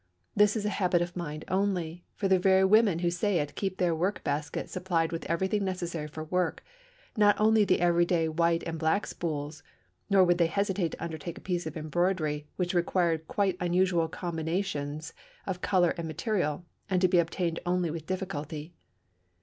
This is a habit of mind only, for the very women who say it keep their work baskets supplied with everything necessary for work, not only the everyday white and black spools, nor would they hesitate to undertake a piece of embroidery which required quite unusual combinations of color or material, and to be obtained only with difficulty.